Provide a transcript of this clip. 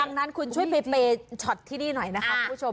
ดังนั้นคุณช่วยเปย์ข้อนะครับคุณ๕๒